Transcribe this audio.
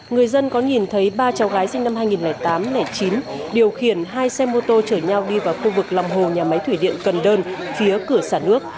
người dân có nhìn thấy ba cháu gái sinh năm hai nghìn tám chín điều khiển hai xe mô tô chở nhau đi vào khu vực lòng hồ nhà máy thủy điện cần đơn phía cửa sản nước